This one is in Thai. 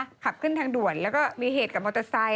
ขับขึ้นทางด่วนแล้วก็มีเหตุกับมอเตอร์ไซค